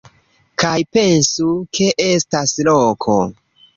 Kaj pensu, ke estas loko.